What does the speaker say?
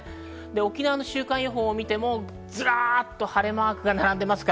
沖縄の週間予報を見ても、ずらっと晴れマークが並んでいます。